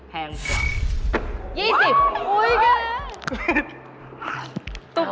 แพงกว่า